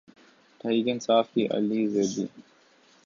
تحریک انصاف کے علی زیدی